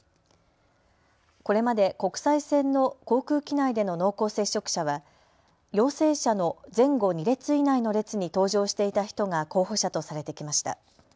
これまで国際線の航空機内での濃厚接触者は陽性者の前後２列以内の列に搭乗していた人が候補者とされてきました。